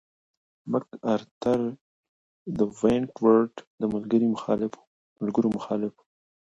مک ارتر د ونټ ورت د ملګرو مخالف و.